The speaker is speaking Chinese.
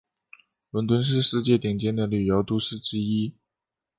伦敦是世界顶尖的旅游都市之一。